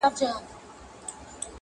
بخت مي دلته زورور وو